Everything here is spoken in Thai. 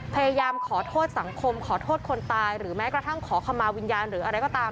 พยายามขอโทษสังคมขอโทษคนตายหรือแม้กระทั่งขอคำมาวิญญาณหรืออะไรก็ตาม